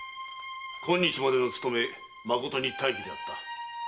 今日までの勤めまことに大儀であった。